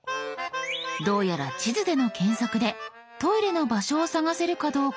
どうやら地図での検索でトイレの場所を探せるかどうかに興味があるようです。